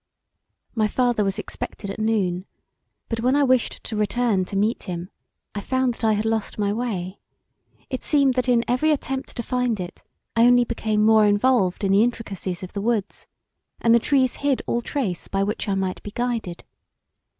My father was expected at noon but when I wished to return to me[e]t him I found that I had lost my way: it seemed that in every attempt to find it I only became more involved in the intracacies of the woods, and the trees hid all trace by which I might be guided.